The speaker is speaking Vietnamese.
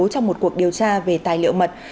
trong một cuộc điều tra về tài liệu mật